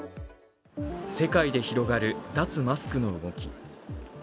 世界で広がる脱マスクの動き。